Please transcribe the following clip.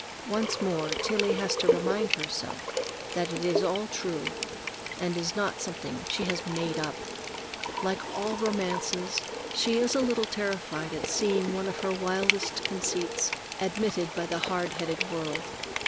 Once more Tillie has to remind herself that it is all true, and is not something she has "made up." Like all romancers, she is a little terrified at seeing one of her wildest conceits admitted by the hardheaded world.